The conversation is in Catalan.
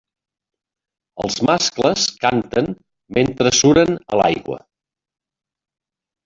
Els mascles canten mentre suren a l'aigua.